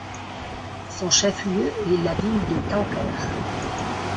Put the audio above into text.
Son chef-lieu est la ville de Kanker.